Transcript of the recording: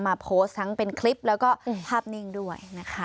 มาโพสต์ทั้งเป็นคลิปแล้วก็ภาพนิ่งด้วยนะคะ